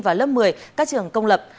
và lớp một mươi các trường công lập